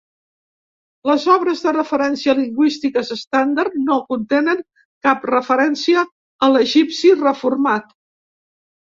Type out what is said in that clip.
Les obres de referència lingüístiques estàndard no contenen cap referència a "l'egipci reformat".